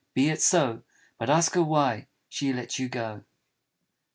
" Be it so But ask her why she let you go.